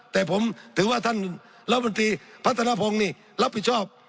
แต่ผมถือว่าท่านแล้วบางทีพัฒนภงศ์นี้รับผิดชอบ